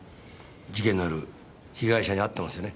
事件の夜被害者に会ってますよね？